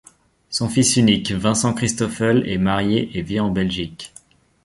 Son fils unique, Vincent Christoffel, est marié et vit en Belgique.